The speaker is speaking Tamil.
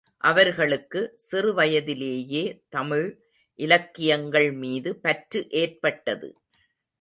அவர்களுக்கு சிறு வயதிலேயே தமிழ் இலக்கியங்கள் மீது பற்று ஏற்பட்டது.